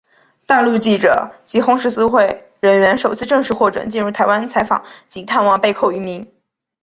大陆记者及红十字会人员首次正式获准进入台湾采访及探望被扣渔民。